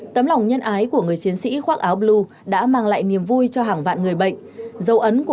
tấm lòng nhân ái của người chiến sĩ khoác áo blue đã mang lại niềm vui cho hàng vạn người bệnh